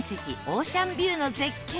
オーシャンビューの絶景